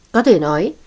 có thể nói